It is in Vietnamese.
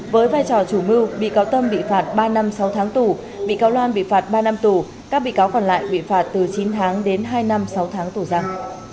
với vai trò chủ mưu bị cáo tâm bị phạt ba năm sáu tháng tù bị cáo loan bị phạt ba năm tù các bị cáo còn lại bị phạt từ chín tháng đến hai năm sáu tháng tù giam